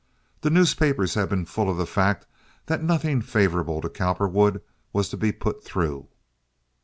The newspapers have been full of the fact that nothing favorable to Cowperwood was to be put through."